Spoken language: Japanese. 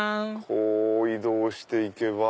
こう移動していけば。